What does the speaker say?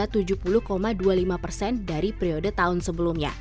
pada saat ini perusahaan ini mencapai sepuluh dua puluh lima dari periode tahun sebelumnya